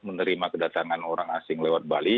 menerima kedatangan orang asing lewat bali